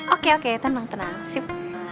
oke oke tenang tenang